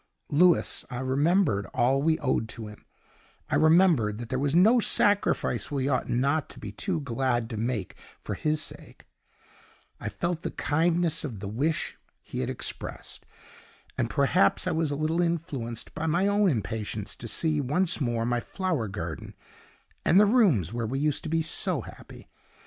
Louis, I remembered all we owed to him; I remembered that there was no sacrifice we ought not to be too glad to make for his sake; I felt the kindness of the wish he had expressed; and perhaps I was a little influenced by my own impatience to see once more my flower garden and the rooms where we used to be so happy.